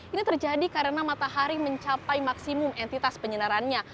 ini terjadi karena matahari mencapai maksimum entitas penyinarannya